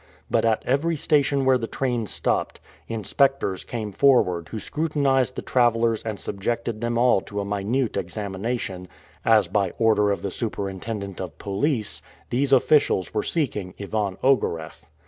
But at every station where the train stopped, inspectors came forward who scrutinized the travelers and subjected them all to a minute examination, as by order of the superintendent of police, these officials were seeking Ivan Ogareff.